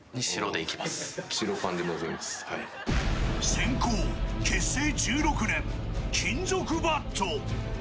先攻、結成１６年金属バット。